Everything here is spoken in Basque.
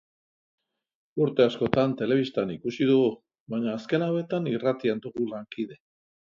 Urte askotan telebistan ikusi dugu, baina azken hauetan irratian dugu lankide.